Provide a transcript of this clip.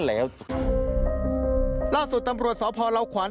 ล่าส่วนตำรวจสลขวัญ